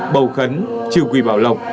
bầu khấn trừ quỷ bảo lộc